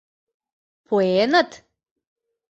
— Пуэныт?